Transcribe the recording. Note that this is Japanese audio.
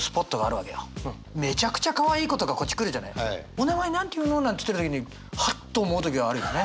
「お名前何て言うの？」なんて言ってた時にハッと思う時はあるよね。